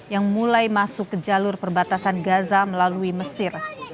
yang mulai masuk ke jalur perbatasan gaza melalui mesir